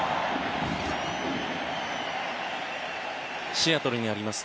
シアトルにあります